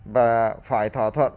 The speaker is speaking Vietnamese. và phải thỏa thuận